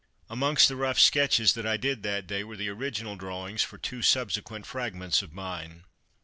Amongst the rough sketches that I did that day were the original drawings for two subsequent "Fragments" of mine.